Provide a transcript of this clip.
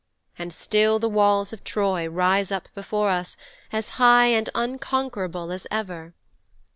And still the walls of Troy rise up before us as high and as unconquerable as ever!